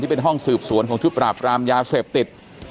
เป็นห้องสืบสวนของชุดปราบรามยาเสพติด